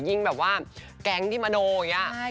แบบว่าแก๊งที่มโนอย่างนี้